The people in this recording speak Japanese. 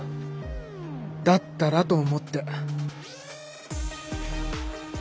だったらと思って。